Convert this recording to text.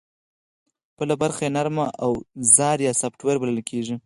بله برخه یې نرم اوزار یا سافټویر بلل کېږي